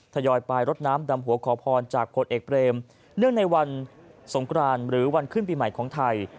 ทยอยไปรดน้ำดำหัวขอพรจากผลเอกเบรมเนื่องในวันสงครานหรือวันขึ้นปีใหม่ของไทย